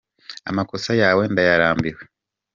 Amakosa yawe ndayarambiwe.